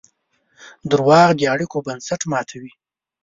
دروغ د اړیکو بنسټ ماتوي.